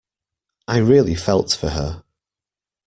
I really felt for her.